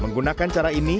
menggunakan cara ini